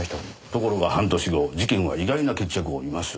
ところが半年後事件は意外な決着を見ます。